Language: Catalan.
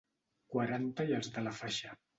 Quaranta i els de la faixa.